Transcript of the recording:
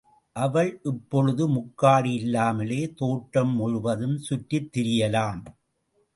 அவள் இப்பொழுது முக்காடு இல்லாமலே தோட்டம் முழுவதும் சுற்றித்திரியலாம்.